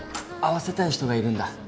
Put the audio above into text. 会わせたい人がいるんだ。